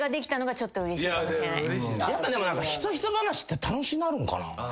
やっぱでもひそひそ話って楽しなるんかな？